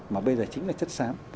mà bây giờ chính là chất sám